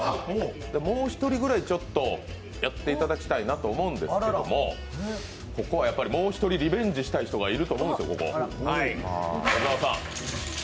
もう１人ぐらいやっていただきたいなと思うんですけども、ここはやっぱりもう一人リベンジしたい人がいると思うんですよ。